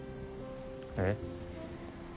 えっ？